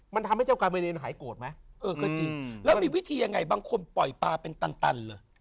มันทำให้เจ้าการไปเรียนหายโกรธไหมเออก็จริงแล้วมีวิธียังไงบางคนปล่อยปลาเป็นตันเลย